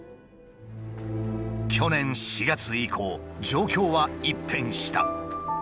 去年４月以降状況は一変した。